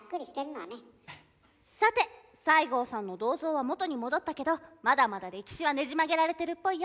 さて西郷さんの銅像は元に戻ったけどまだまだ歴史はねじ曲げられてるっぽいよ。